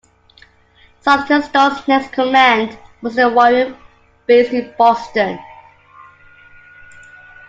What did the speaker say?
Saltonstall's next command was the "Warren", based in Boston.